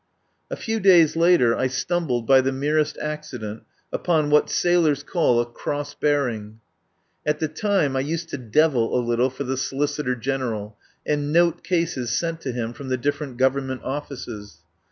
A few days later I stumbled by the merest accident upon what sailors call a "cross bear ing." At the time I used to "devil" a little for the Solicitor General, and "note" cases sent to him from the different Government offices.